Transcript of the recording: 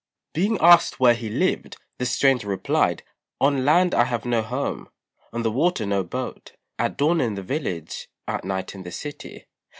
Being asked where he lived, the stranger replied, "On land I have no home, on the water no boat; at dawn in the village, at night in the city."